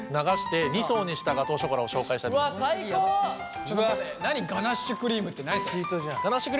ちょっと待って何ガナッシュクリームって何それ？